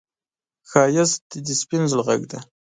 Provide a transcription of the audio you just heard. ښایست د سپين زړه غږ دی